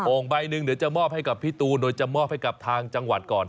ใบหนึ่งเดี๋ยวจะมอบให้กับพี่ตูนโดยจะมอบให้กับทางจังหวัดก่อน